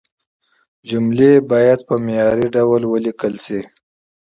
جملې باید په معياري ډول ولیکل شي.